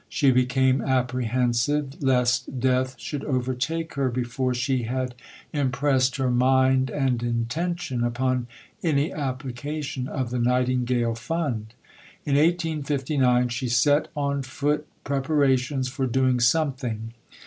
She became apprehensive lest death should overtake her before she had impressed her mind and intention upon any application of the Nightingale Fund. In 1859 she set on foot preparations for doing something.